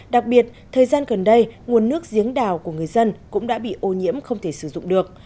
đặc biệt thời gian gần đây nguồn nước giếng đào của người dân cũng đã bị ô nhiễm không thể sử dụng được